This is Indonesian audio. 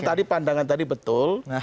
tadi pandangan tadi betul